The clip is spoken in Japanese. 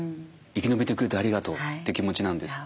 生き延びてくれてありがとうって気持ちなんです。